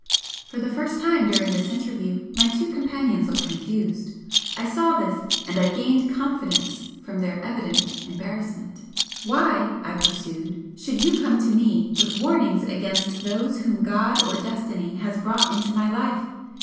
For the first time during this interview, my two companions looked confused. I saw this, and I gained confidence from their evident embarrassment. "Why," I pursued "should you come to me with warnings against those whom God or Destiny has brought into my life?